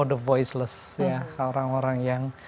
untuk orang orang yang